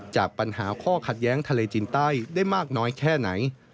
จากปัญหาข้อขัดแย้งทะเลจีนใต้ได้มากน้อยแค่ไหน